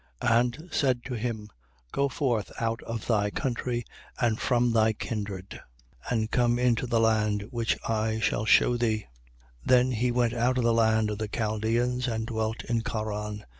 7:3. And said to him: Go forth out of thy country and from thy kindred: and come into the land which I shall shew thee. 7:4. Then he went out of the land of the Chaldeans and dwelt in Charan.